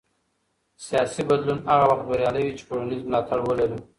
سیاسي بدلون هغه وخت بریالی وي چې ټولنیز ملاتړ ولري